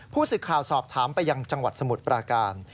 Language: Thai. ผู้สื่อข่าวสอบถามไปยังจังหวัดสมุทรปราการ